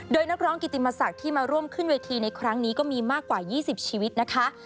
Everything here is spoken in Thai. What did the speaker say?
โดยนักร้องกิติมศักดิ์ที่มาร่วมขึ้นเวทีในครั้งนี้ก็มีมากกว่า๒๐ชีวิตนะคะ